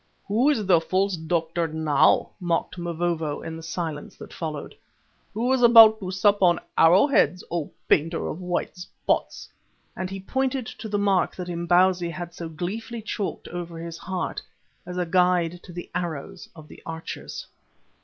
"Who is the false doctor now?" mocked Mavovo in the silence that followed. "Who is about to sup on arrow heads, O Painter of white spots?" and he pointed to the mark that Imbozwi had so gleefully chalked over his heart as a guide to the arrows of the archers.